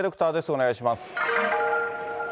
お願いします。